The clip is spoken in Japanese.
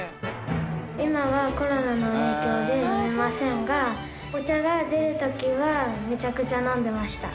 今はコロナの影響で飲めませんがお茶が出る時はめちゃくちゃ飲んでました。